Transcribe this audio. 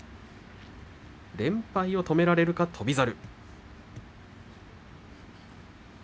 連敗を止められるか翔猿。